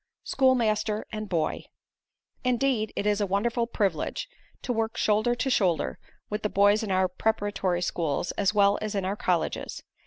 SCHOOLMASTER AND BOY Indeed it is a wonderful privilege to work shoulder to shoulder with the boys in our preparatory schools as well as in our colleges.